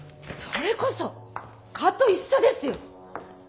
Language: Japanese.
それこそ蚊と一緒ですよ。